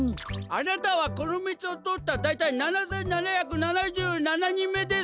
あなたはこのみちをとおっただいたい７，７７７にんめです！